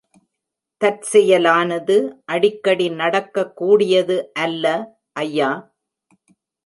தற்செயலானது அடிக்கடி நடக்கக் கூடியது அல்ல, ஐயா.